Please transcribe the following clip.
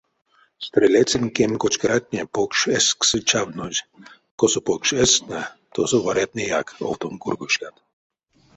Стрелецэнь кем кочкарятне покш эсксэ чавнозь, косо покш эсктне, тосо варятнеяк овтонь кургошкат.